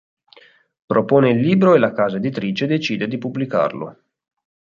Propone il libro e la casa editrice decide di pubblicarlo.